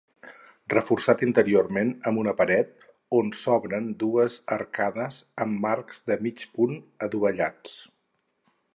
Reforçat interiorment amb una paret on s'obren dues arcades amb arcs de mig punt adovellats.